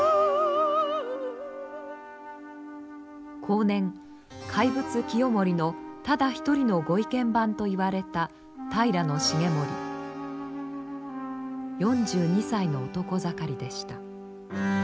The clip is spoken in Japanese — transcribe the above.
後年怪物清盛のただ一人のご意見番といわれた平重盛４２歳の男盛りでした。